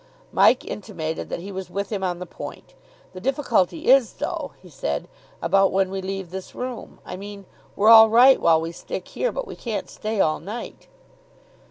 Mike intimated that he was with him on the point. "The difficulty is, though," he said, "about when we leave this room. I mean, we're all right while we stick here, but we can't stay all night."